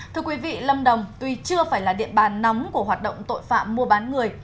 thưa quý vị lâm đồng tuy chưa phải là địa bàn nóng của hoạt động tội phạm mua bán người